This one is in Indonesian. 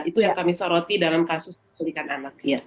itu yang kami soroti dalam kasus pelikan anak